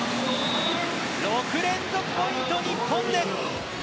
６連続ポイント、日本です！